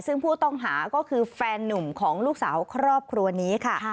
ซึ่งผู้ต้องหาก็คือแฟนนุ่มของลูกสาวครอบครัวนี้ค่ะ